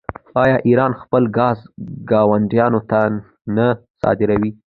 آیا ایران خپل ګاز ګاونډیانو ته نه صادروي؟